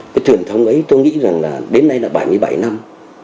cái truyền thống ấy tôi nghĩ rằng là đến nay là bảy mươi bảy năm